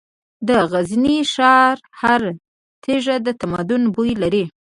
د غزني ښار هره تیږه د تمدن بوی لري.